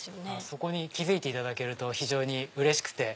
そこに気付いていただけると非常にうれしくて。